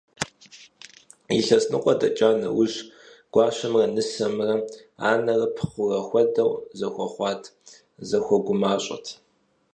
Илъэс ныкъуэ дэкӀа нэужь, гуащэмрэ нысэмрэ анэрэ пхъурэ хуэдэу зэхуэхъуат, зэхуэгумащӀэт.